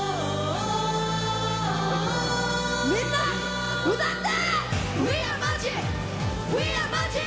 みんな歌って！